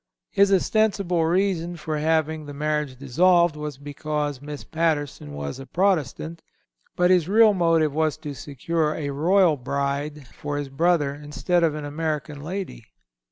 His ostensible reason for having the marriage dissolved was because Miss Patterson was a Protestant, but his real motive was to secure a royal bride for his brother instead of an American lady.